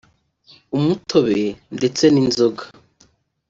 umutobe ndetse n’inzoga